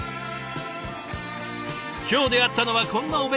今日出会ったのはこんなお弁当たち。